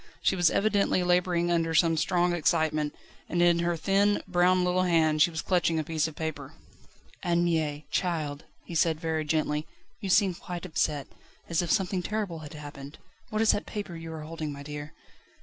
She was evidently labouring under some strong excitement, and in her thin, brown little hand she was clutching a piece of paper. "Anne Mie! Child," he said very gently, "you seem quite upset as if something terrible had happened. What is that paper you are holding, my dear?"